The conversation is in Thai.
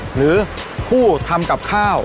หรือผู้ทำกับข้าว